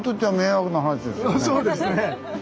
そうですね。